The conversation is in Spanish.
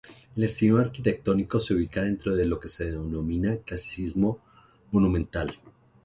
El estilo arquitectónico se ubica dentro de lo que se denomina clasicismo monumental.